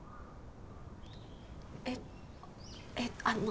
えっえっあの。